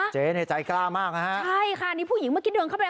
เจ๊ใจกล้ามากนะฮะ